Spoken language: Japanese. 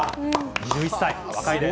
２１歳、若いです。